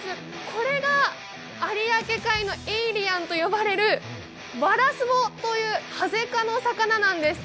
これが有明海のエイリアンと呼ばれるワラスボと呼ばれるハゼ科の魚なです。